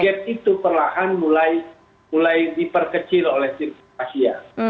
gap itu perlahan mulai diperkecil oleh tim asia